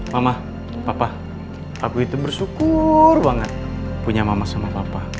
mama papa aku itu bersyukur banget punya mama sama papa